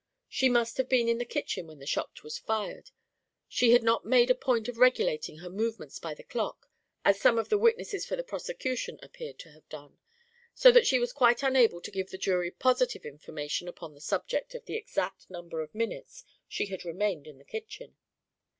She must have been in the kitchen when the shot was fired; she had not made a point of regulating her movements by the clock as some of the witnesses for the prosecution appeared to have done, so that she was quite unable to give the jury positive information upon the subject of the exact number of minutes she had remained in the kitchen.